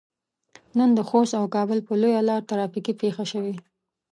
نن د خوست او کابل په لويه لار ترافيکي پېښه شوي.